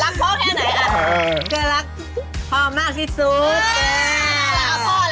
ก็รักพ่อมากที่สุด